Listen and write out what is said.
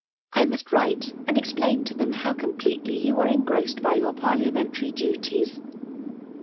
I must waite and eaqplain to them how com fdetely you were engrossed l^ your pat* liameutary duties."